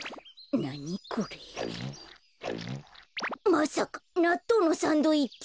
まさかなっとうのサンドイッチ？